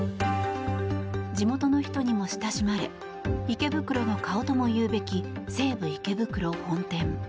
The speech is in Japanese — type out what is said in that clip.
地元の人にも親しまれ池袋の顔ともいうべき西武池袋本店。